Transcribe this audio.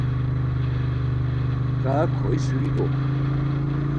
کا کھوئے سوئیکو